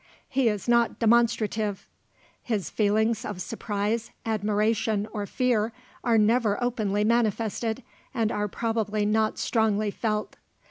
He is not demonstrative. His feelings of surprise, admiration, or fear, are never openly manifested, and are probably not strongly felt.